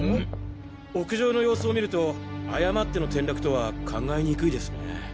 屋上の様子を見ると誤っての転落とは考えにくいですね。